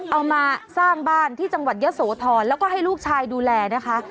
เอามาสร้างบ้านที่จังหวัดยะโสธรแล้วก็ให้ลูกชายดูแลนะคะ